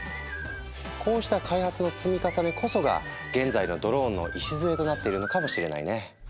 こうした開発の積み重ねこそが現在のドローンの礎となっているのかもしれないね。